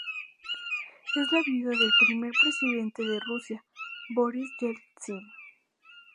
Es la viuda del primer presidente de Rusia, Borís Yeltsin.